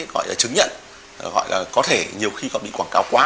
gọi là chứng nhận gọi là có thể nhiều khi họ bị quảng cáo quá